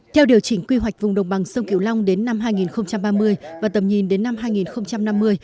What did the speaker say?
theo điều chỉnh quy hoạch vùng đồng bằng sông kiều long đến năm hai nghìn ba mươi và tầm nhìn đến năm hai nghìn năm mươi